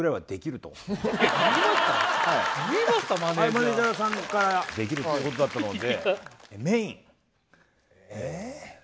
マネージャーさんからできるっていうことだったので。